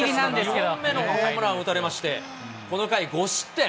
２本目のホームランを打たれまして、この回５失点。